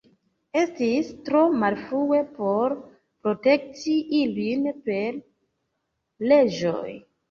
Estis tro malfrue por protekti ilin per leĝoj.